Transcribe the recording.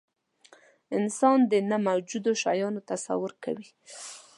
انسان د نه موجودو شیانو تصور کوي.